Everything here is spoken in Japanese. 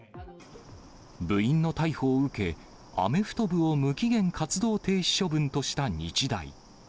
部員の逮捕を受け、アメフト部を無期限活動停止処分とした日大。